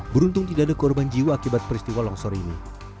beruntung tidak ada korban jiwa akibat peristiwa longsor ini